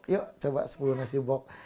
yuk coba sepuluh nasibok